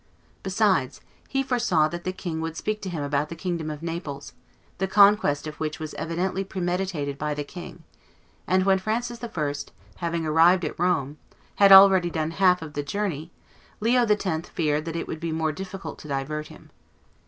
Besides, he foresaw that the king would speak to him about the kingdom of Naples, the conquest of which was evidently premeditated by the king; and when Francis I., having arrived at Rome, had already done half the journey, Leo X. feared that it would be more difficult to divert him.